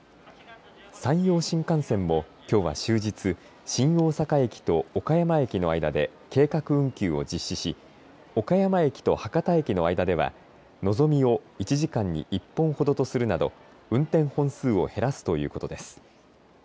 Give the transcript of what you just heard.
山陽新幹線もきょうは終日新大阪駅と岡山駅の間で計画運休を実施し岡山駅と博多駅の間ではのぞみを１時間に１本ほどとするなど運転本数を減らすということです。